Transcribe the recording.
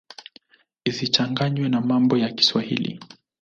Isichanganywe na mambo ya Kiswahili.